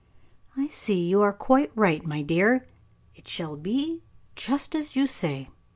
"I see you are quite right, my dear it shall be just as you say."